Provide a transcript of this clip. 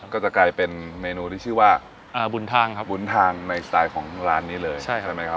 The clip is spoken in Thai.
ก็จะกลายเป็นเมนูที่ชื่อว่าบุญทางในสไตล์ของร้านนี้เลย